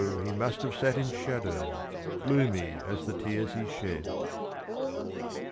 he must have sat in shadow, gloomy as the tears he shed. .